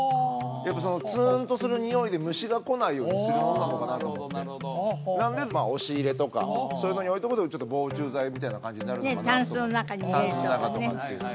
やっぱそのツーンとするにおいで虫が来ないようにするものなのかなと思ってなのでまあ押し入れとかそういうのに置いとくとちょっと防虫剤みたいな感じになるのかなとねえタンスの中に入れるとかね